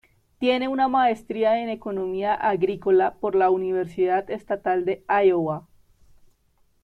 Tiene una maestría en Economía Agrícola por la Universidad Estatal de Iowa.